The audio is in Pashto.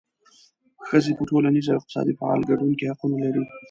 ښځې په ټولنیز او اقتصادي فعال ګډون کې حقونه لري.